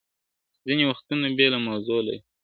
ځیني وختونه بېله موضوع لري `